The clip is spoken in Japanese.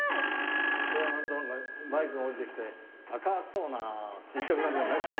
ここへ上がるとマイクが下りてきて「赤コーナー」って言いたくなるよね。